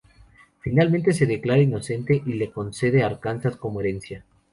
Finalmente es declarada inocente y se le concede Arkansas como herencia.